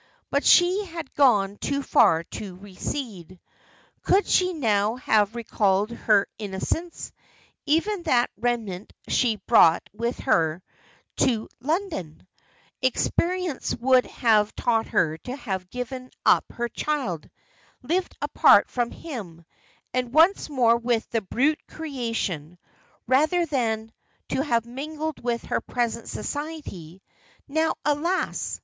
But she had gone too far to recede. Could she now have recalled her innocence, even that remnant she brought with her to London, experience would have taught her to have given up her child, lived apart from him, and once more with the brute creation, rather than to have mingled with her present society. Now, alas!